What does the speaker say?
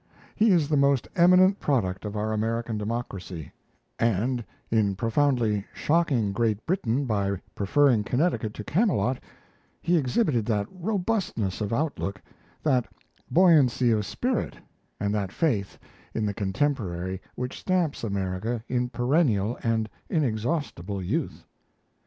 He is the most eminent product of our American democracy, and, in profoundly shocking Great Britain by preferring Connecticut to Camelot, he exhibited that robustness of outlook, that buoyancy of spirit, and that faith in the contemporary which stamps America in perennial and inexhaustible youth.